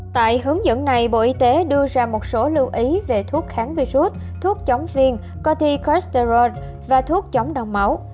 tại hướng dẫn này bộ y tế đưa ra một số lưu ý về thuốc kháng virus thuốc chống viên corticosterone và thuốc chống đong máu